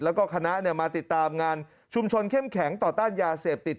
แล้วก็คณะมาติดตามงานชุมชนเข้มแข็งต่อต้านยาเสพติด